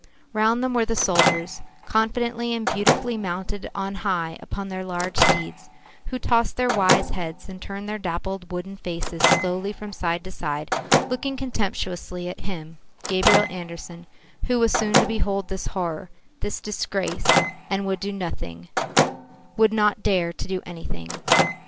Round them were the soldiers, confidently and beautifully mounted on high upon their large steeds, who tossed their wise heads and turned their dappled wooden faces slowly from side to side, looking contemptuously at him, Gabriel Andersen, who was soon to behold this horror, this disgrace, and would do nothing, would not dare to do anything.